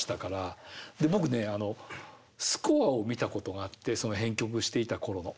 で僕ねあのスコアを見たことがあって編曲していた頃の。